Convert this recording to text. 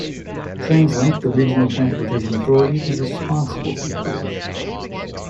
TransLink, the regional transportation authority, is responsible for the bridge.